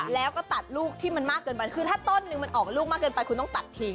แล้วก็ตัดลูกที่มันมากเกินไปคือถ้าต้นนึงมันออกลูกมากเกินไปคุณต้องตัดทิ้ง